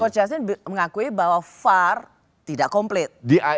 coach yasin mengakui bahwa far tidak komplit